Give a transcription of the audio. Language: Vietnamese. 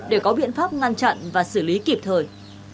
để có biện pháp ngăn chặn và xử lý kịp thời